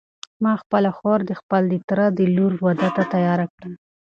ما خپله خور د خپل تره د لور واده ته تیاره کړه.